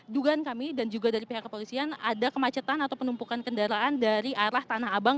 dugaan kami dan juga dari pihak kepolisian ada kemacetan atau penumpukan kendaraan dari arah tanah abang